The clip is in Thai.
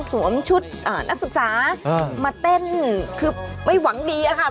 สวมชุดอะนักศึกษาอะมาคือไม่หวังดีชะครับ